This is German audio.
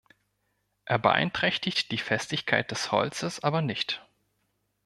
Er beeinträchtigt die Festigkeit des Holzes aber nicht.